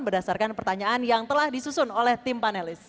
berdasarkan pertanyaan yang telah disusun oleh tim panelis